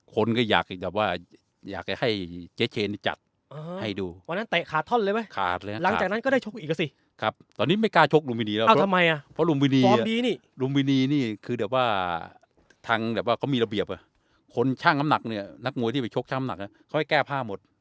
คนช่างอำนักเนี่ยนักมวยที่ไปชกช่างอำนักเนี่ยเขาให้แก้ผ้าหมด